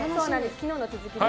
昨日の続きです。